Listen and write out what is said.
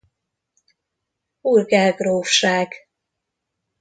Urgell grófság